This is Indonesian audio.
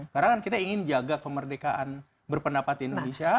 karena kita ingin jaga kemerdekaan berpendapat indonesia